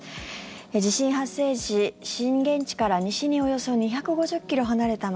地震発生時、震源地から西におよそ２５０ｋｍ離れた街